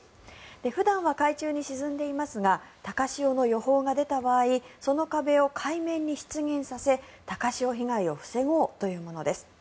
普段は海中に沈んでいますが高潮の予報が出た場合その壁を海面に出現させ高潮被害を防ごうというものです。